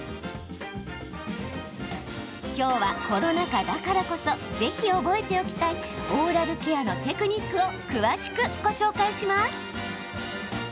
きょうは、コロナ禍だからこそぜひ覚えておきたいオーラルケアのテクニックを詳しくご紹介します。